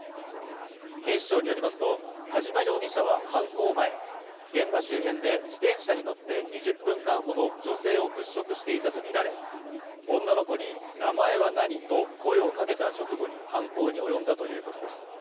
警視庁によりますと、田島容疑者は犯行前、現場周辺で自転車に乗って２０分間ほど女性を物色していたとみられ、女の子に名前は何と声をかけた直後に犯行に及んだということです。